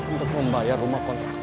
untuk membayar rumah kontrakan